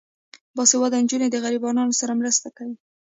باسواده نجونې د غریبانو سره مرسته کوي.